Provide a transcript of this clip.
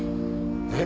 えっ？